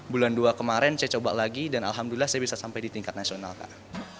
bulan dua kemarin saya coba lagi dan alhamdulillah saya bisa sampai di tingkat nasional kak